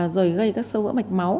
rồi gây các sơ vỡ mạch máu